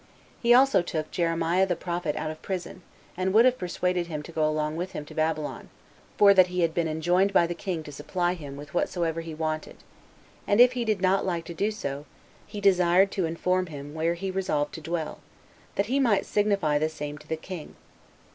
He also took Jeremiah the prophet out of prison, and would have persuaded him to go along with him to Babylon, for that he had been enjoined by the king to supply him with whatsoever he wanted; and if he did not like to do so, he desired him to inform him where he resolved to dwell, that he might signify the same to the king.